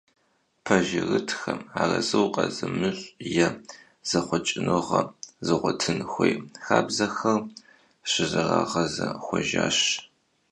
Пэжырытхэм арэзы укъэзымыщӏ, е зэхъуэкӏыныгъэ зыгъуэтын хуей хабзэхэр щызэрагъэзэхуэжащ.